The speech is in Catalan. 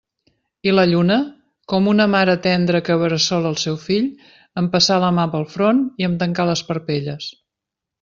I la lluna, com una mare tendra que bressola el seu fill, em passà la mà pel front i em tancà les parpelles.